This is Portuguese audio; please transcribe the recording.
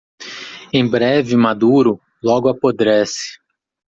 Em breve maduro, logo apodrece.